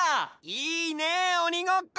いいねおにごっこ！